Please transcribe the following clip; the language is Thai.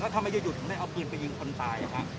กิ้มหยิงของตาย